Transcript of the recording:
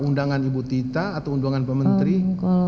undangan ibu tita atau undangan pemerintah